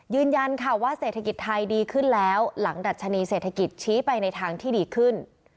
ยืนยันค่ะว่าเศรษฐกิจไทยดีขึ้นแล้วหลังดัชนีเศรษฐกิจชี้ไปในทางที่ดีขึ้น